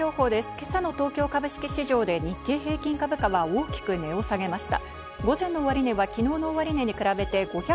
今朝の東京株式市場で日経平均株価は大きく値を下げました。